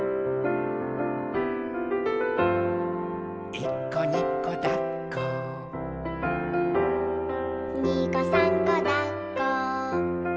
「いっこにこだっこ」「にこさんこだっこ」